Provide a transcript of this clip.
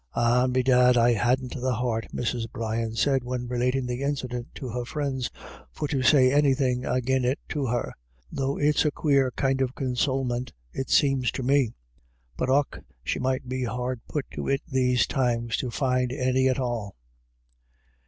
"And bedad I hadn't the heart," Mrs. Brian said, when relating the incident to her friends, " for to say anythin' agin it to her ; though it's a quare kind of consowlment it seems to me. But och, she must be hard put to it these times to find any at all."